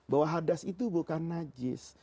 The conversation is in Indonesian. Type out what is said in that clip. bahwa hadas itu bukan najis